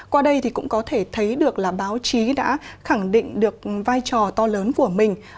qua đây thì cũng có thể thấy được là báo chí đã khẳng định được vai trò to lớn của mình